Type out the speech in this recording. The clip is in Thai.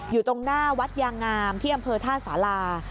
อยู่ตรงหน้าวัดยางงามที่อำเภอท่าสารา